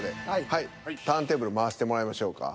はいターンテーブル回してもらいましょうか。